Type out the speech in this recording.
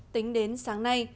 tính đến sáng nay